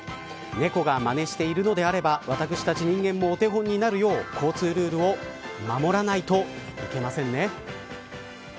猫がまねしてるのであれば私たち人間もお手本になるよう交通ルールを守らないといけませんね。